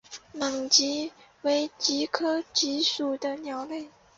猛隼为隼科隼属的鸟类。